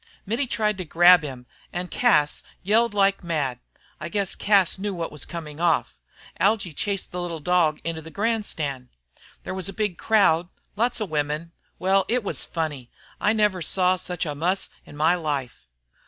Mittie tried to grab him and Cas yelled like mad. I guess Cas knew what was coming off. Algy chased the little dog up into the grandstand. There was a big crowd lots of women. Well, it was funny. I never saw such a muss in my life.